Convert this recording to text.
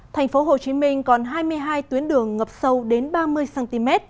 thành phố hồ chí minh còn hai mươi hai tuyến đường ngập sâu đến ba mươi cm